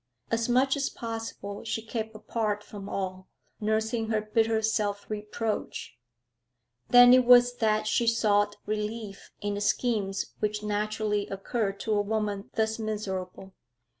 As much as possible she kept apart from all, nursing her bitter self reproach. Then it was that she sought relief in the schemes which naturally occur to a woman thus miserable.